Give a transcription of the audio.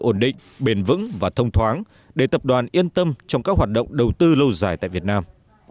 ổn định bền vững và thông thoáng để tập đoàn yên tâm trong các hoạt động đầu tư lâu dài tại việt nam